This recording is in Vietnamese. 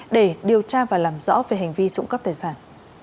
để điều tra và làm rõ về hành vi trụng cấp tài sản